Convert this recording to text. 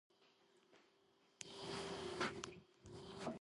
ქალაქს ოემი დაერქვა დიდი ხის პატივსაცემად, რომელიც იზრდებოდა ქალაქის შემოგარენში.